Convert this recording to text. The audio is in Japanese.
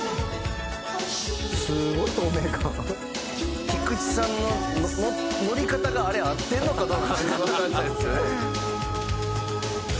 「すごい透明感」「菊池さんのノリ方があれ合ってるのかどうかもわかんないですよね」